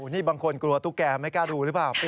นี่บางคนกลัวตุ๊กแกไม่กล้าดูหรือเปล่า